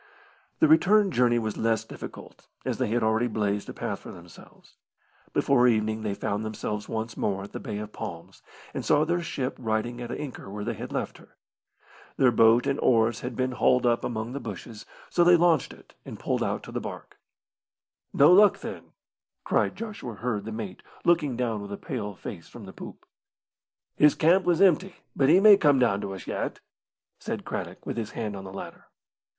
The return journey was less difficult, as they had already blazed a path for themselves. Before evening they found themselves once more at the Bay of Palms, and saw their ship riding at anchor where they had left her. Their boat and oars had been hauled up among the bushes, so they launched it and pulled out to the barque. "No luck, then!" cried Joshua Hird, the mate, looking down with a pale face from the poop. "His camp was empty, but he may come down to us yet," said Craddock, with his hand on the ladder.